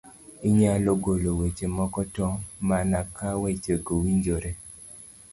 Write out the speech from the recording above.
inyalo golo weche moko to mana ka wechego winjore.